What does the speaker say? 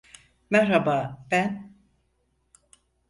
Merhaba, ben…